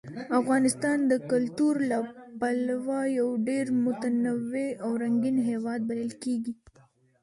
افغانستان د کلتور له پلوه یو ډېر متنوع او رنګین هېواد بلل کېږي.